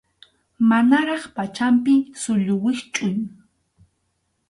Manaraq pachanpi sullu wischʼuy.